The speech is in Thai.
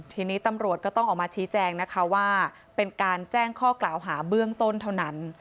ทีนี้ตำรวจก็ต้องออกมาชี้แจงนะคะว่าเป็นการแจ้งข้อกล่าวหาเบื้องต้นเท่านั้น